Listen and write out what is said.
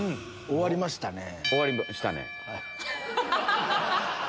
終わりましたね。